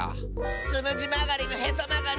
つむじまがりのへそまがり！